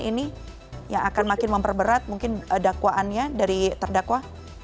ini yang akan makin memperberat mungkin dakwaannya dari terdakwa